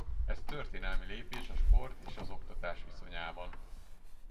Ez történelmi lépés a sport és az oktatás viszonyában.